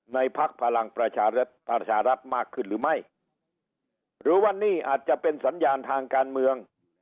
พักพลังประชารัฐประชารัฐมากขึ้นหรือไม่หรือว่านี่อาจจะเป็นสัญญาณทางการเมือง